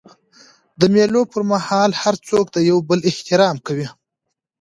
د مېلو پر مهال هر څوک د یو بل احترام کوي.